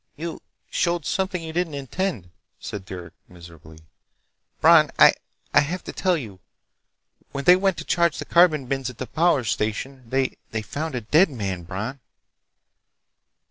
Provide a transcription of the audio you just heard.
"You ... showed something you didn't intend," said Derec miserably. "Bron, I ... I have to tell you. When they went to charge the carbon bins at the power station, they ... they found a dead man, Bron!"